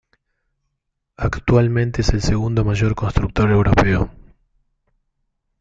Actualmente es el segundo mayor constructor europeo.